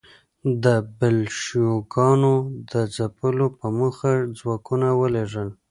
د بلشویکانو د ځپلو په موخه ځواکونه ولېږل.